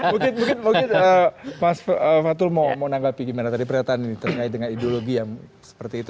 mungkin mas fatul mau menanggapi gimana tadi pernyataan ini terkait dengan ideologi yang seperti itu